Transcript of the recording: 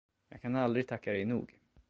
Jag kan aldrig tacka dig nog.